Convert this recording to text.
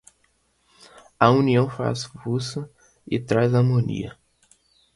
A união faz a força e traz harmonia.